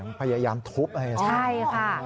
มันมีเสียงพยายามทุบใช่ค่ะ